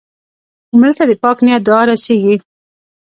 مړه ته د پاک نیت دعا رسېږي